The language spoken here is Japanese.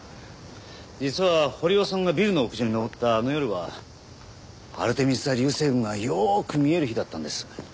実は堀尾さんがビルの屋上に上ったあの夜はアルテミス座流星群がよく見える日だったんです。